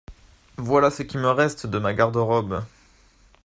Voilà ce qui me reste de ma garde-robe !…